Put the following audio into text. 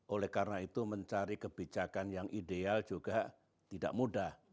oleh karena itu mencari kebijakan yang ideal juga tidak mudah